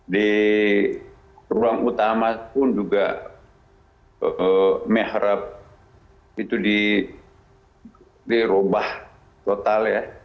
di ruang utama pun juga mehrab itu dirubah total ya